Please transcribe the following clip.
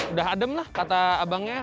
udah adem lah kata abangnya